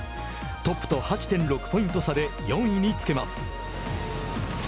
トップと８．６ポイント差で４位につけます。